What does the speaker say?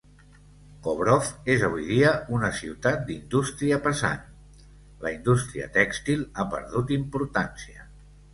Kovrov és avui dia una ciutat d'indústria pesant, la indústria tèxtil ha perdut importància.